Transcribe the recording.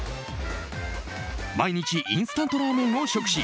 毎日インスタントラーメンを食し